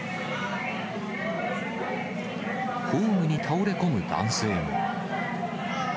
ホームに倒れ込む男性も。